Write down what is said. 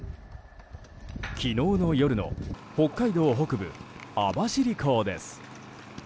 昨日の夜の北海道北部、網走港です。